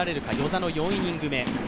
與座の４イニング目。